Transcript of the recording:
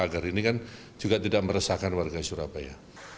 agar ini kan juga tidak meresahkan warga surabaya